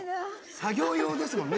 作業用ですもんね